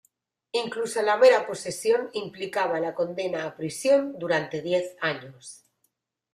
Incluso la mera posesión implicaba la condena a prisión durante diez años.